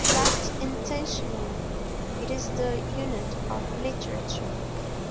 Left intentionally, it is the unit of literature.